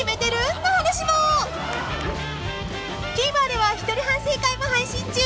［ＴＶｅｒでは一人反省会も配信中］